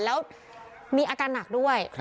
แล้วมีอาการหนักด้วย